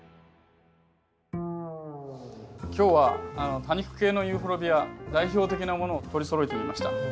今日は多肉系のユーフォルビア代表的なものを取りそろえてみました。